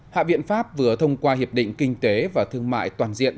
hạ viện pháp vừa thông qua hiệp định kinh tế và thương mại toàn diện